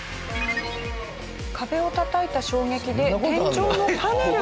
壁をたたいた衝撃で天井のパネルが落下。